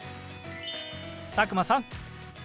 佐久間さん